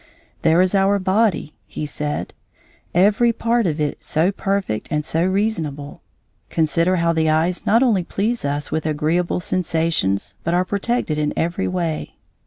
"There is our body," said he: "every part of it so perfect and so reasonable. Consider how the eyes not only please us with agreeable sensations but are protected in every way.